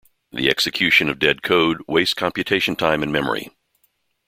The execution of dead code wastes computation time and memory.